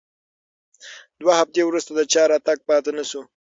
دوه هفتې وروسته د چا راتګ پاتې نه شو.